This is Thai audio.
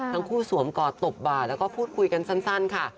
สวมกอดตบบ่าแล้วก็พูดคุยกันสั้นค่ะ